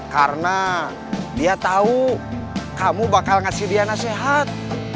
karena dia tahu kamu bakal ngasih dia nasihat